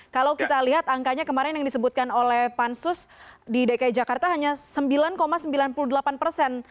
kalau kita lihat angkanya kemarin yang disebutkan oleh pansus di dki jakarta hanya sembilan sembilan puluh delapan persen